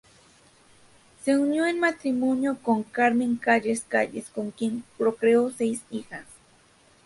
Se unió en matrimonio con Carmen Calles Calles, con quien procreó seis hijas.